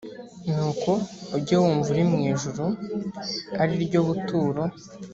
nuko ujye wumva uri mu ijuru ari ryo buturo